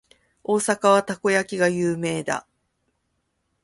大阪はたこ焼きが有名だ。